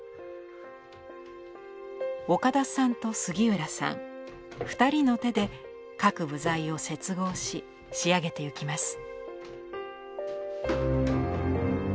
岡田さんと杉浦さん２人の手で各部材を接合し仕上げていきます。